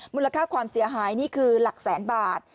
มูลค่าความเสียหายนี่คือหลักแสนบาท